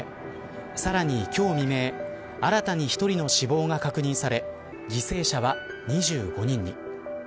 さらに今日未明新たに１人の死亡が確認され犠牲者は２５人に。